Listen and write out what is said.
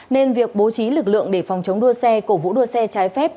nên việc bố trí lực lượng để phòng chống đua xe cổ vũ đua xe trái phép